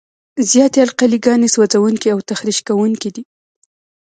زیاتې القلي ګانې سوځونکي او تخریش کوونکي دي.